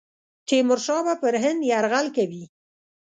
تیمورشاه به پر هند یرغل کوي.